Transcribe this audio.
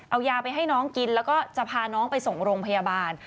เอายาไปให้น้องกินแล้วก็จะพาน้องไปส่งโรงพยาบาล